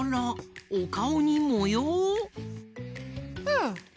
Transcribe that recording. うん。